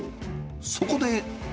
そこで。